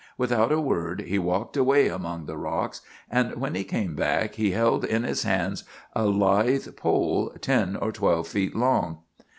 Without a word, he walked away among the rocks, and when he came back he held in his hands a lithe pole ten or twelve feet long.